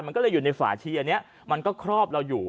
มันก็เลยอยู่ในฝาชีอันนี้มันก็ครอบเราอยู่